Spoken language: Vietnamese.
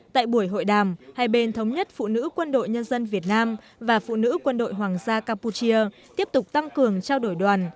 tại buổi hội đàm hai bên thống nhất phụ nữ quân đội nhân dân việt nam và phụ nữ quân đội hoàng gia campuchia tiếp tục tăng cường trao đổi đoàn